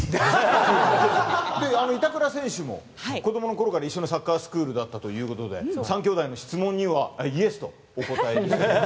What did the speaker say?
板倉選手も子供のころから一緒のサッカースクールだったということで、３兄弟の質問にはＹＥＳとお答えに。